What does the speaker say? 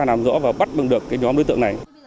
làm rõ và bắt bằng được cái nhóm đối tượng này